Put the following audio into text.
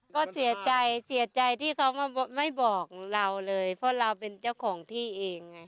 ก็เสียใจเสียใจที่เขามาไม่บอกเราเลยเพราะเราเป็นเจ้าของที่เองไง